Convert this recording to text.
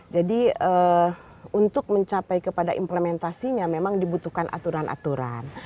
jadi untuk mencapai kepada implementasinya memang dibutuhkan aturan aturan